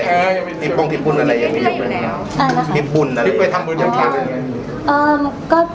มีที่ปรงที่บุญอะไรที่ไปทำบุญกับใคร